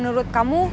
tidak ada apa apa